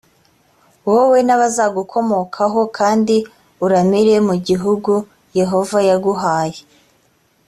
wowe n’abazagukomokaho kandi uramire mu gihugu yehova yaguhaye